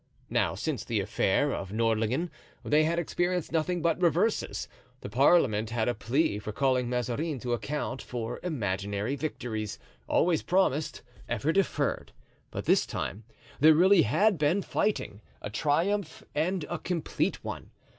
Now, since the affair of Nordlingen, they had experienced nothing but reverses; the parliament had a plea for calling Mazarin to account for imaginary victories, always promised, ever deferred; but this time there really had been fighting, a triumph and a complete one.